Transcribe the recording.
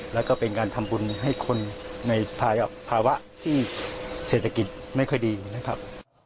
แล้วก็เป็นการทำบุญให้คนในภาวะที่เศรษฐกิจไม่ค่อยดีนะครับ